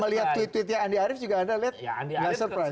melihat tweet tweetnya andi arief juga anda lihat nggak surprise